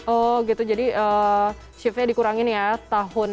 oh gitu jadi shifnya dikurangin ya tahun dua ribu dua puluh satu ya